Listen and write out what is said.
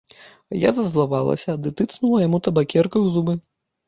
Я зазлавалася ды тыцнула яму табакеркай у зубы.